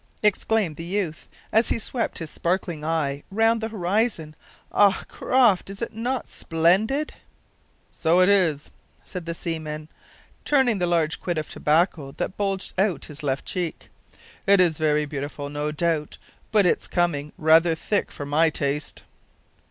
exclaimed the youth, as he swept his sparkling eye round the horizon. "Ah, Croft! is not this splendid?" "So it is, sir," said the seaman, turning the large quid of tobacco that bulged out his left cheek. "It's very beautiful, no doubt, but it's comin' rather thick for my taste."